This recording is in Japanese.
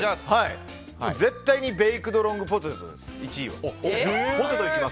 絶対にベイクドロングポテトです。